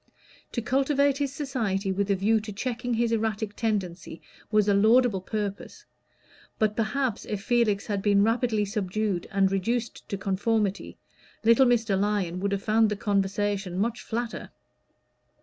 To cultivate his society with a view to checking his erratic tendencies was a laudable purpose; but perhaps if Felix had been rapidly subdued and reduced to conformity, little Mr. Lyon would have found the conversation much flatter.